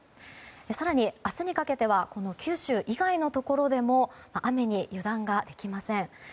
更に明日にかけては九州以外のところでも雨に油断ができません。